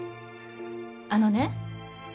あのね。